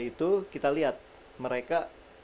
itu kita liat mereka